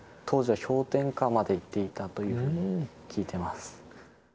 当時は氷点下までいっていたというふうに聞いてます。